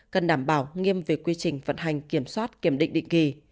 cần đảm bảo nghiêm về quy trình vận hành kiểm soát kiểm định định kỳ